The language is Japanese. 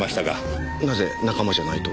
なぜ仲間じゃないと？